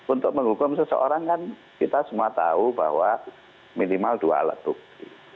untuk menghukum seseorang kan kita semua tahu bahwa minimal dua alat bukti